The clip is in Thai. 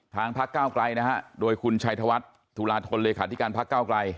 พักเก้าไกลนะฮะโดยคุณชัยธวัฒน์ตุลาธนเลขาธิการพักเก้าไกล